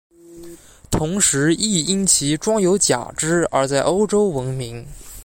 同时亦因其装有假肢而在欧洲闻名。